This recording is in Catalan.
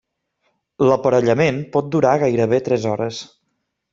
L'aparellament pot durar gairebé tres hores.